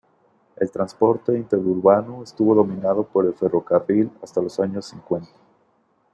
El transporte interurbano estuvo dominado por el ferrocarril hasta los años cincuenta.